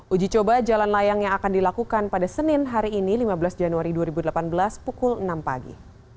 uji coba jalan layang yang akan dilakukan pada senin hari ini lima belas januari dua ribu delapan belas pukul enam pagi